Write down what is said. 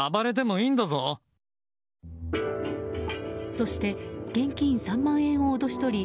そして現金３万円を脅し取り